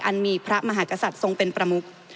มีพระมหากษัตริย์ทรงเป็นประมุก